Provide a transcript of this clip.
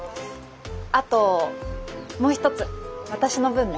あともう一つ私の分ね。